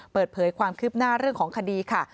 เปิดเผยความคืบหน้าเรื่องของคดีค่ะ